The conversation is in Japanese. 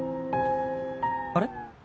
あれ？